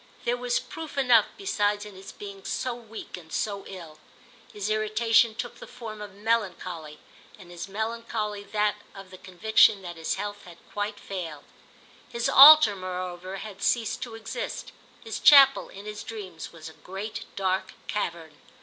There was proof enough besides in his being so weak and so ill. His irritation took the form of melancholy, and his melancholy that of the conviction that his health had quite failed. His altar moreover had ceased to exist; his chapel, in his dreams, was a great dark cavern.